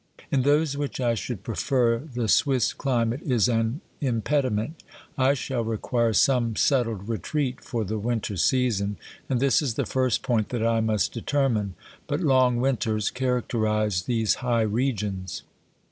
In those which I should prefer the Swiss climate is an impediment. I shall require some settled retreat for the winter season, and this is the first point that I must determine ; but long winters char acterise these high regions.